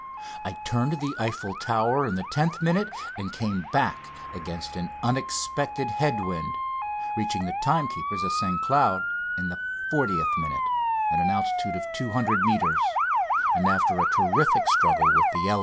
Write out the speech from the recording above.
I turned the Eiffel Tower in the tenth minute and came back against an unexpected head wind, reaching the timekeepers at St Cloud in the fortieth minute, at an altitude of 200 metres, and after a terrific struggle with the element.